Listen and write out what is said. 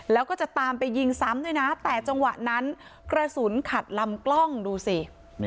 แล้วก็จะตามไปยิงซ้ำด้วยนะแต่จังหวะนั้นกระสุนขัดลำกล้องดูสิ